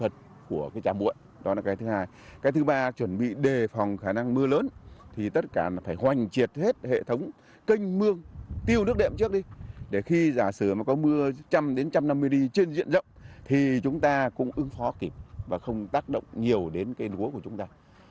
trước một trăm linh đến một trăm năm mươi đi trên diện rộng thì chúng ta cũng ứng phó kịp và không tác động nhiều đến cái lúa của chúng ta